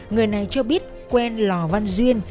người này cho biết quen lò văn duyên